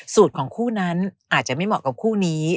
ของคู่นั้นอาจจะไม่เหมาะกับคู่นี้